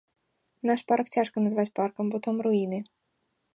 Наш парк цяжка назваць паркам, бо там руіны.